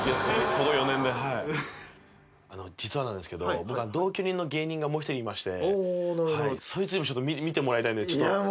この４年ではいあの実はなんですけど僕同居人の芸人がもう一人いましてそいつにも見てもらいたいんでいや